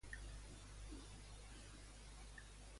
A què podria fer referència el seu nom, si no?